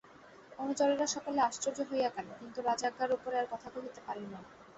অনুচরেরা সকলে আশ্চর্য হইয়া গেল, কিন্তু রাজাজ্ঞার উপরে আর কথা কহিতে পারিল না।